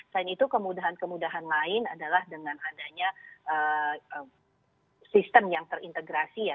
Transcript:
selain itu kemudahan kemudahan lain adalah dengan adanya sistem yang terintegrasi ya